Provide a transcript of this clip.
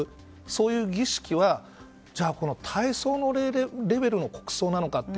そういう儀式は大喪の礼レベルの国葬なのかって